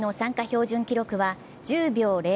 標準記録は１０秒０５。